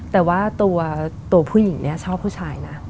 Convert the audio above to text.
แต่ว่าตัวผู้หญิงเนี่ยชอบผู้ชายนะ